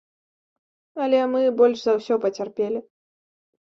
Але мы больш за ўсё пацярпелі.